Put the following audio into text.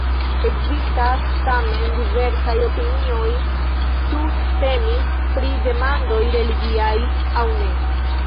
Ekzistas tamen diversaj opinioj, ĉu temis pri demandoj religiaj aŭ ne.